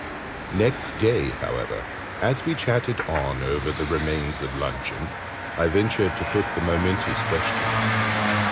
Next day, however, as we chatted on over the remains of luncheon, I ventured to put the momentous question.